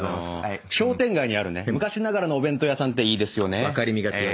商店街にある昔ながらのお弁当屋さんっていいですよね。